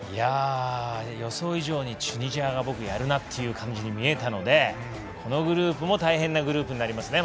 予想以上にチュニジアが僕、やるなっていう感じに見えたので、このグループも大変なグループになりますね